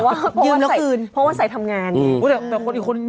ยืนแล้วคืนเพราะว่าใส่ทำงานอืมแบบอย่างกว่าอีกคนมีเยอะ